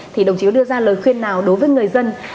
thì đồng chí có đưa ra lời khuyên nào đối với người dân